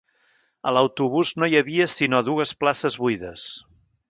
A l'autobús no hi havia sinó dues places buides.